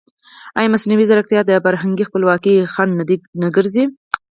ایا مصنوعي ځیرکتیا د فرهنګي خپلواکۍ خنډ نه ګرځي؟